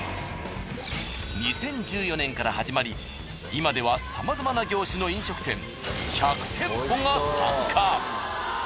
２０１４年から始まり今ではさまざまな業種の飲食店１００店舗が参加。